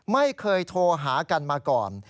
ไม่เคยโทรหากันมาก่อน